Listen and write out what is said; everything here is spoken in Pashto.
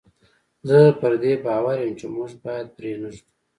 زه پر دې باور یم چې موږ باید پرې نه ږدو.